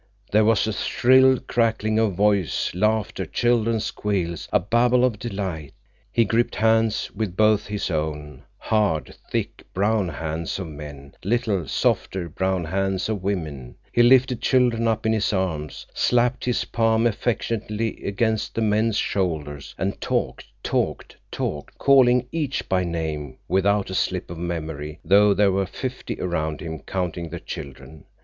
There was a shrill crackling of voice, laughter, children's squeals, a babel of delight. He gripped hands with both his own—hard, thick, brown hands of men; little, softer, brown hands of women; he lifted children up in his arms, slapped his palm affectionately against the men's shoulders, and talked, talked, talked, calling each by name without a slip of memory, though there were fifty around him counting the children.